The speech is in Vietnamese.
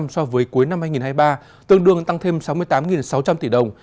so với cuối năm hai nghìn hai mươi ba tương đương tăng thêm sáu mươi tám sáu trăm linh tỷ đồng